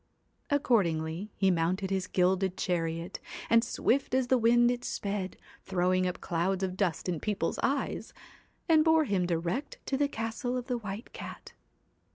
Accordingly he mounted his gilded chariot, and swift as the wind it sped, throwing up clouds of dust in people's eyes, and bore him direct to the castle of the White Cat.